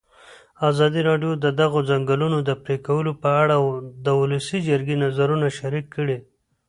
ازادي راډیو د د ځنګلونو پرېکول په اړه د ولسي جرګې نظرونه شریک کړي.